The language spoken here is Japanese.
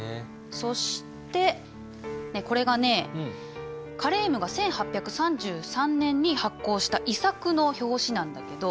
そしてこれがねカレームが１８３３年に発行した遺作の表紙なんだけど。